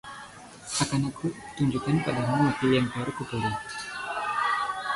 Akan ku tunjukkan padamu mobil yang baru aku beli.